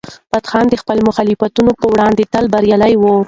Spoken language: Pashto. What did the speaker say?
فتح خان د خپلو مخالفینو په وړاندې تل بریالی و.